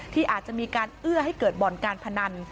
ที่อาจจะมีการเอื้อให้เกิดบ่อนการพนัน